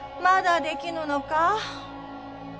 まだできぬのか？